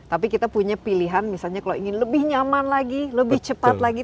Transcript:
tapi kita punya pilihan misalnya kalau ingin lebih nyaman lagi lebih cepat lagi